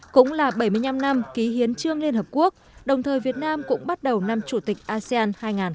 cũng là bảy mươi năm năm ký hiến trương liên hợp quốc đồng thời việt nam cũng bắt đầu năm chủ tịch asean hai nghìn hai mươi